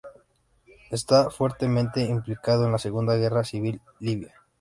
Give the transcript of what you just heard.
Está fuertemente implicado en la Segunda Guerra Civil libia.